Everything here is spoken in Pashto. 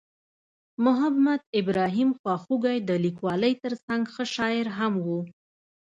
محمد ابراهیم خواخوږی د لیکوالۍ ترڅنګ ښه شاعر هم ؤ.